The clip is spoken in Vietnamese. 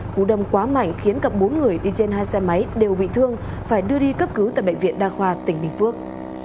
cú đâm quá mạnh khiến cả bốn người đi trên hai xe máy đều bị thương phải đưa đi cấp cứu tại bệnh viện đa khoa tỉnh bình phước